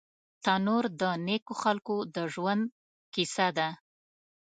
تنور د نیکو خلکو د ژوند کیسه ده